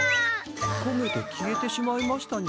こげて消えてしまいましたにゃ。